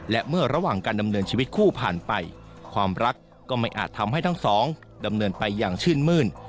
และเมื่อระหว่างการดำเนินชีวิตคู่ผ่านไปความรักก็ไม่อาจทำให้ทั้งสองดำเนินไปอย่างชื่นมื้น